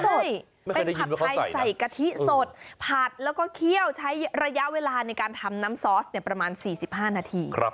ใช่เป็นผัดไทยใส่กะทิสดผัดแล้วก็เคี่ยวใช้ระยะเวลาในการทำน้ำซอสประมาณ๔๕นาที